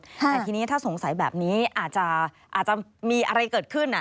แต่ทีนี้ถ้าสงสัยแบบนี้อาจจะมีอะไรเกิดขึ้น